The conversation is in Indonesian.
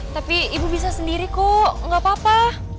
tapi ibu bisa sendiri kok nggak apa apa